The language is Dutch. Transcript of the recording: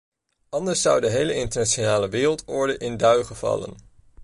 Anders zou de hele internationale wereldorde in duigen vallen.